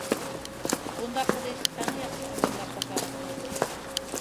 بۇنداق قىلىش ئەڭ ياخشى ئەمەللەر قاتارىغا كىرىدۇ.